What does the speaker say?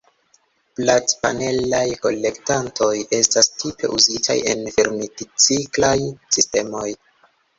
Platpanelaj kolektantoj estas tipe uzitaj en fermitciklaj sistemoj.